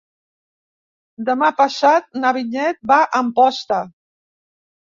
Demà passat na Vinyet va a Amposta.